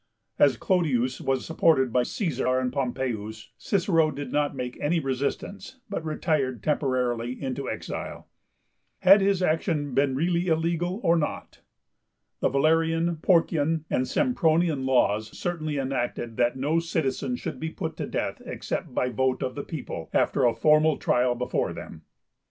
As Clodius was supported by Caesar and Pompeius, Cicero did not make any resistance, but retired temporarily into exile. Had his action been really illegal or not? The Valerian, Porcian, and Sempronian laws certainly enacted that no citizen should be put to death except by vote of the people, after a formal trial before them.